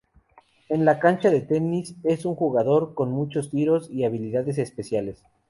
En la cancha de tenis, es un jugador con muchos tiros y habilidades especiales.